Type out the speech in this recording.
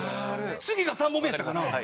次が３本目やったかな？